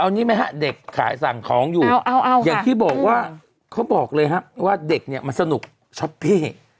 อันนี้ไหมฮะเด็กขายสั่งของอยู่อย่างที่บอกว่าเขาบอกเลยฮะว่าเด็กเนี่ยมันสนุกช็อปปี้